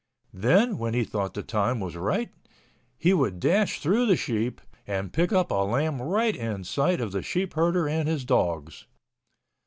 Then when he thought the time was right, he would dash through the sheep and pick up a lamb right in sight of the sheepherder and his dogs.